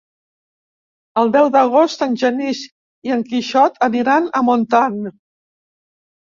El deu d'agost en Genís i en Quixot aniran a Montant.